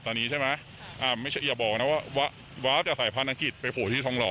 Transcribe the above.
ตอนนี้ใช่ไหมอ่าไม่ใช่อย่าบอกนะว่าวาฟจากสายพันธกิจไปโผล่ที่ทองหล